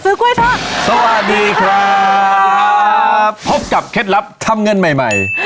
กล้วยทอดสวัสดีครับสวัสดีครับพบกับเคล็ดลับทำเงินใหม่ใหม่